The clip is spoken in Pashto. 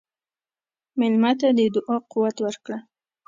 مېلمه ته د دعا قوت ورکړه.